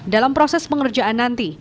dalam proses pengerjaan nanti